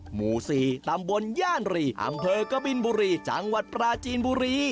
หมู่๔ตำบลย่านรีอำเภอกบินบุรีจังหวัดปราจีนบุรี